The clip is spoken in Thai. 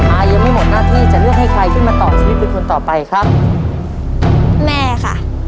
อายยังไม่หมดหน้าที่จะเลือกให้ใครขึ้นมาต่อชีวิตเป็นคนต่อไปครับแม่ค่ะ